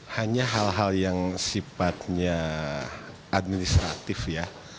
hanya hal hal yang sifatnya administratif ya